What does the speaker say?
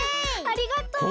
ありがとう！